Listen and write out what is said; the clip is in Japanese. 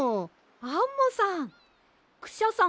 アンモさん！